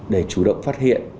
để chủ động phát hiện